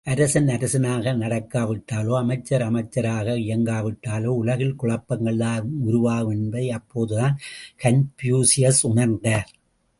அரசன் அரசனாக நடக்காவிட்டாலோ, அமைச்சர் அமைச்சராக இயங்கா விட்டாலோ உலகில் குழப்பம்தான் உருவாகும் என்பதை அப்போதுதான் கன்பூசியஸ் உணர்ந்தார்.